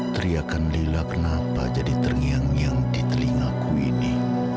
teriakan lila kenapa jadi terngiang ngiang di telingaku ini